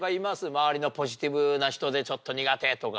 周りのポジティブな人でちょっと苦手とか。